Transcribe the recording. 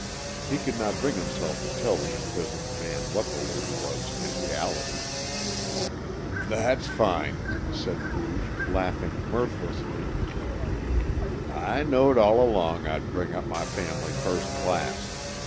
He could not bring himself to tell the imprisoned man what the lady was in reality. "That's fine," said Booge, laughing mirthlessly. "I knowed all along I'd bring up my family first class.